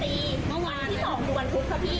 เอามีดมาไล่ฟันเอามาไล่ตีวันที่สองคือวันพุธครับพี่